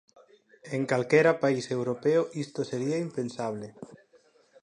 En calquera país europeo isto sería impensable.